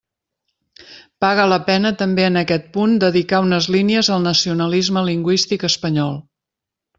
Paga la pena també en aquest punt dedicar unes línies al nacionalisme lingüístic espanyol.